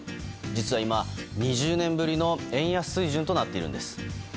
実は今、２０年ぶりの円安水準となっているんです。